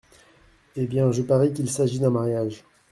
Eh bien, je parie qu’il s’agit d’un mariage.